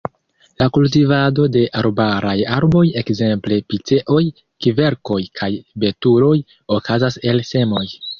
La kultivado de arbaraj arboj, ekzemple piceoj, kverkoj kaj betuloj, okazas el semoj.